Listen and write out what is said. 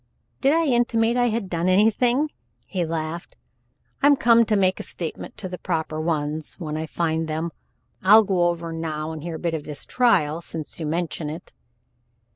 "Did I intimate I had done anything?" He laughed. "I'm come to make a statement to the proper ones when I find them. I'll go over now and hear a bit of this trial, since you mention it."